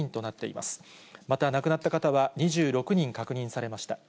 また亡くなった方は２６人確認されました。